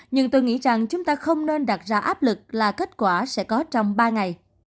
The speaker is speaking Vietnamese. nhưng tôi nghĩ rằng chúng ta không nên đặt ra áp lực là kết quả sẽ có trong ba ngày